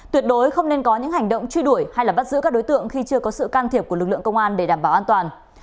tuyệt đối không nên có những hành động truy đuổi hay bắt giữ các đối tượng khi chưa có sự can thiệp của lực lượng công an để đảm bảo an toàn